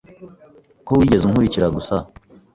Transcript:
Ko wigeze unkurikira gusa!